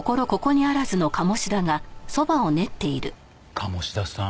鴨志田さん